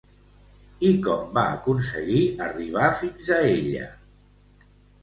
I com va aconseguir arribar fins a ella?